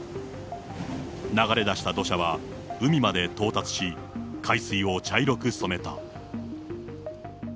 流れ出した土砂は海まで到達し、海水を茶色く染めた。